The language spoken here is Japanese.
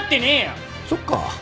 そっか。